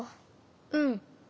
うん。